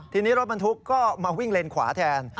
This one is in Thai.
ทีนี้รถบรรทุกก็มาวิ่งเลนขวาแทน